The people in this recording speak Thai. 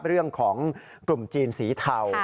เรื่องของกลุ่มจีนสีเทา